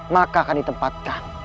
maka akan ditempatkan